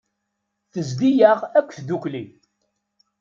Tezdi-yaɣ akk tdukli.